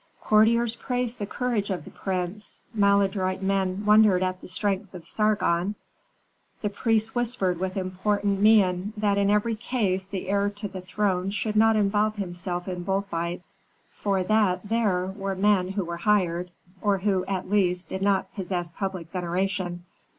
Courtiers praised the courage of the prince, maladroit men wondered at the strength of Sargon, the priests whispered with important mien that in every case the heir to the throne should not involve himself in bull fights: for that there were men who were hired, or who, at least, did not possess public veneration.